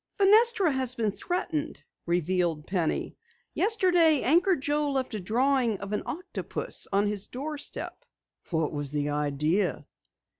"Fenestra has been threatened," revealed Penny. "Yesterday Anchor Joe left a drawing of an octopus on his doorstep." "What was the idea?"